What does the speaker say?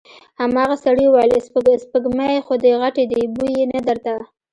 هماغه سړي وويل: سپږمې خو دې غټې دې، بوی يې نه درته؟